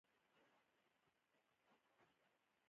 پښتو کې ټولې پنځه يېګانې دي